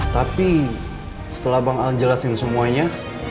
tapi setelah bang al jelasin semuanya